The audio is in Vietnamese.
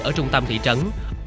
ở trung tâm thị trấn